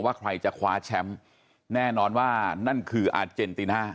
ใครจะคว้าแชมป์แน่นอนว่านั่นคืออาเจนติน่า